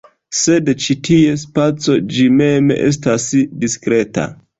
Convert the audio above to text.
Sed ĉi tie, spaco ĝi mem estas diskreta.